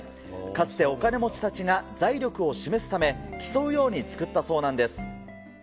かつてお金持ちたちが財力を示すため、競うように造ったそうなんです。